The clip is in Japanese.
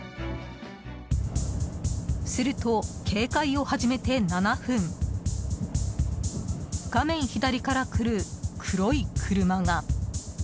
すると、警戒を始めて７分画面左から来る黒い車が。